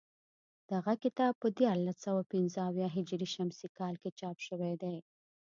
دغه کتاب په دیارلس سوه پنځه اویا هجري شمسي کال کې چاپ شوی دی